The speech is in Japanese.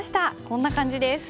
こんな感じです。